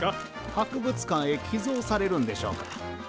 博物館へ寄贈されるんでしょうか？